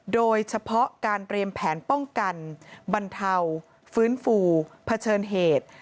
โดยเฉพาะการเตรียมแผนป้องกันบรรเทาฟื้นฟูเผชิญเหตุ